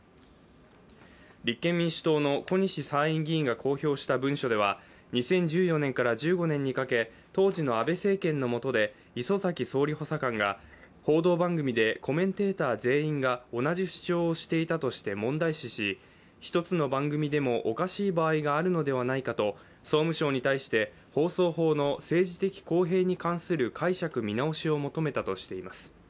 立憲民主党の小西参院議員が公表した文書では２０１４年から１５年にかけ、当時の安倍政権のもとで礒崎総理補佐官が報道番組でコメンテーター全員が同じ主張をしていたとして問題視し１つの番組でもおかしい場合があるのではないかと総務省に対して放送法の政治的公平に関する解釈見直しを求めたとしています。